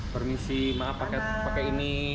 permisi maaf pakai ini